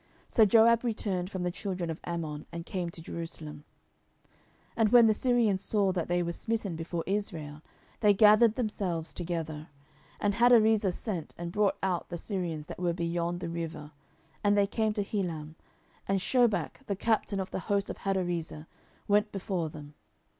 So Joab returned from the children of Ammon, and came to Jerusalem. 10:010:015 And when the Syrians saw that they were smitten before Israel, they gathered themselves together. 10:010:016 And Hadarezer sent, and brought out the Syrians that were beyond the river: and they came to Helam; and Shobach the captain of the host of Hadarezer went before them.